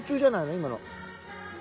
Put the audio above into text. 今の。